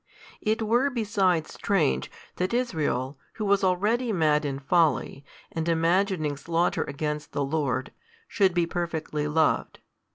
It were besides strange, that Israel, who was already mad in folly, and imagining slaughter against the Lord, should be perfectly loved.